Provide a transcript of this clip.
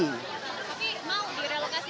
tapi mau direlokasi